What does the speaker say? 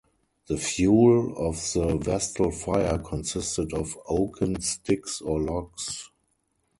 The fuel of the Vestal fire consisted of oaken sticks or logs.